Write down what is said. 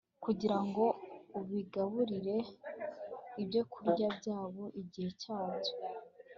Kugira ngo ubigaburire ibyokurya byabyo igihe cyabyo